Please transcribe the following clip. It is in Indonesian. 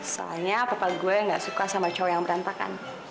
soalnya papa gue gak suka sama cowok yang berantakan